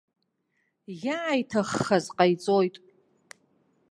Иааиҭаххаз ҟаиҵоит.